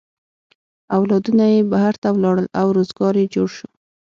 اولادونه یې بهر ته ولاړل او روزگار یې جوړ شو.